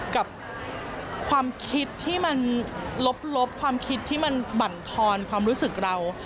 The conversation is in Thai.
กับความคิดที่มันลบความคิดที่มันบั่นทอนความรู้สึกเรา